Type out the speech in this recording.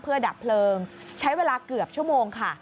ดับเพลิงใช้เวลาเกือบชั่วโมงค่ะ